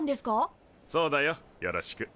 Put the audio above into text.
そうだよよろしく。